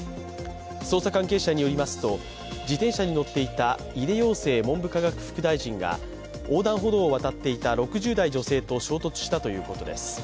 捜査関係者によりますと、自転車に乗っていた井出庸生文部科学副大臣が横断歩道を渡っていた６０代女性と衝突したということです。